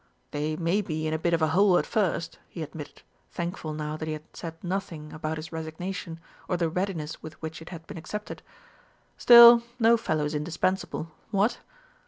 "They may be in a bit of a hole at first," he admitted, thankful now that he had said nothing about his resignation, or the readiness with which it had been accepted. "Still, no fellow is indispensable. What?"